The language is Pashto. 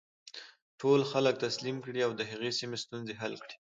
ټول خلک تسلیم کړي او د هغې سیمې ستونزې حل کړي.